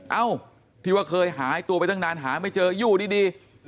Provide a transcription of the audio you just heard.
เอ้าที่ว่าเคยหายตัวไปตั้งนานหาไม่เจออยู่ดี